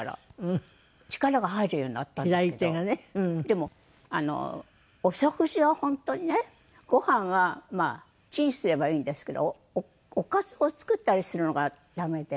でもお食事は本当にねご飯はチンすればいいんですけどおかずを作ったりするのが駄目で。